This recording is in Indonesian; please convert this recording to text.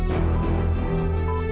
pak aku mau pergi